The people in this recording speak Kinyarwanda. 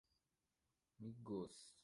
Migos